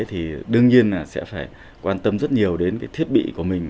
thì đương nhiên là sẽ phải quan tâm rất nhiều đến cái thiết bị của mình